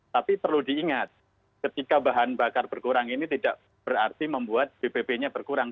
tapi perlu diingat ketika bahan bakar berkurang ini tidak berarti membuat bpp nya berkurang